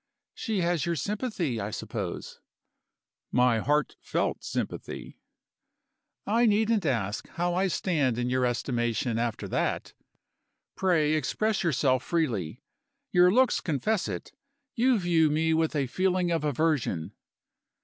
"She has your sympathy, I suppose?" "My heart felt sympathy." "I needn't ask how I stand in your estimation, after that. Pray express yourself freely. Your looks confess it you view me with a feeling of aversion."